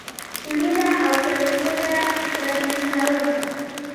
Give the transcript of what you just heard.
پلونه او سړکونه ترمیموي.